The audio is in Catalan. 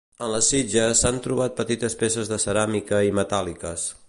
En les sitges s’han trobat petites peces de ceràmica i metàl·liques.